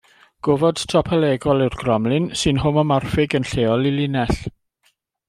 Gofod topolegol yw'r gromlin, sy'n homomorffig, yn lleol, i linell.